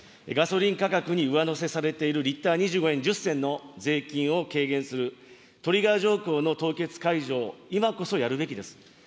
ガソリン価格に上乗せされているリッター２５円１０銭の税金を軽減する、トリガー条項の凍結解除を今こそやるべきです。